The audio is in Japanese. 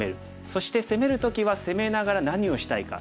そして攻める時は攻めながら何をしたいか。